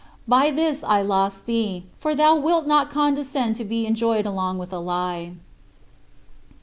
By this I lost thee, for thou wilt not condescend to be enjoyed along with a lie.